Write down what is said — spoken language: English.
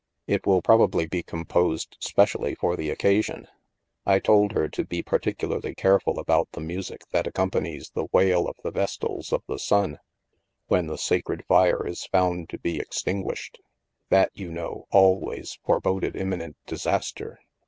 " It will probably be composed specially for the occasion. I told her to be particularly careful about the music that accompanies the wail of the Vestals of the Sun when the sacred fire is found to be ex tinguished. That, you know, always forboded im minent disaster.